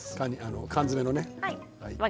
缶詰のね。